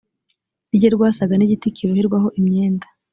rye rwasaga n igiti kiboherwaho imyenda